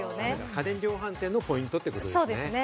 家電量販店のポイントってことですね。